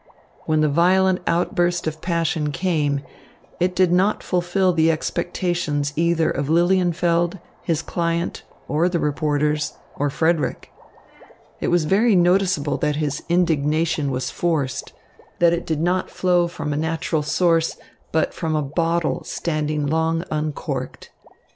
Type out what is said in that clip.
When the violent outburst of passion came, it did not fulfill the expectations either of Lilienfeld, his client, or the reporters, or Frederick. It was very noticeable that his indignation was forced, that it did not flow from a natural source, but from a bottle standing long uncorked.